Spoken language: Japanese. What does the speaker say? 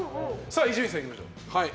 伊集院さん、いきましょう。